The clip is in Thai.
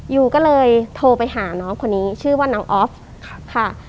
ยูก็เลยโทรไปหาน้องคนนี้ชื่อว่าน้องออฟค่ะ